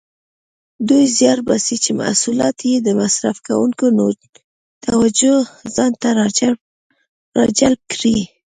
دوی زیار باسي چې محصولات یې د مصرف کوونکو توجه ځانته راجلب کړي.